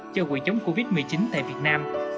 cho quỹ chống covid một mươi chín tại việt nam